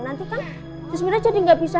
nanti kan susmina jadi gak bisa